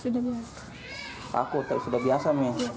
takut tapi sudah biasa